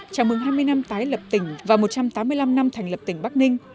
chào mừng hai mươi năm tái lập tỉnh và một trăm tám mươi năm năm thành lập tỉnh bắc ninh